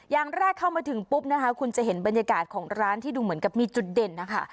อย่างแรกเข้ามาถึงปุ๊บนะคะคุณจะเห็นบรรยากาศของร้านที่ดูเหมือนกับมีจุดเด่นนะคะ